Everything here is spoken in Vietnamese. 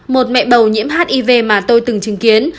một mẹ bầu nhiễm hiv mà tôi từng chứng kiến